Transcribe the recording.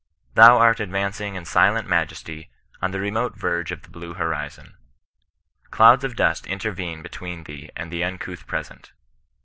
Thou art advancing in silent majesty on the remote verge of the blue horiztm. Clouds of dust intervene between thee and the uncouth present.